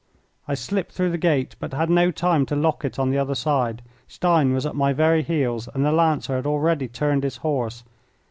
I slipped through the gate, but had no time to lock it on the other side. Stein was at my very heels, and the Lancer had already turned his horse.